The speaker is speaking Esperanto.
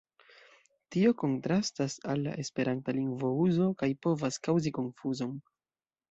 Tio kontrastas al la esperanta lingvouzo kaj povas kaŭzi konfuzon.